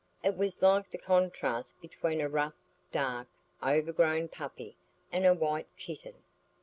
It was like the contrast between a rough, dark, overgrown puppy and a white kitten.